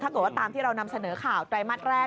ถ้าเกิดว่าตามที่เรานำเสนอข่าวไตรมาสแรก